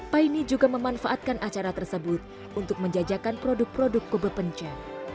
paine juga memanfaatkan acara tersebut untuk menjajakan produk produk kube penja